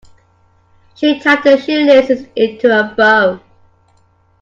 She tied her shoelaces into a bow.